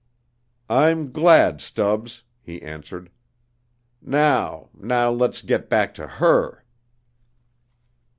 "I'm glad, Stubbs," he answered. "Now now let's get back to her."